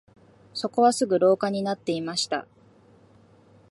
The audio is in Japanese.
そこはすぐ廊下になっていました